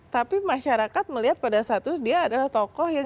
tapi masyarakat melihat pada satu dia adalah tokoh yang